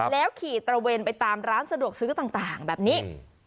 แล้วขี่ตระเวนไปตามร้านสะดวกซื้อต่างแบบนี้